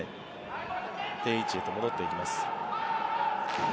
定位置へと戻っていきます。